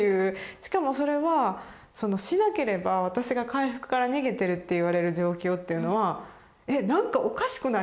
しかもそれはしなければ私が回復から逃げてるって言われる状況っていうのは「えっなんかおかしくない？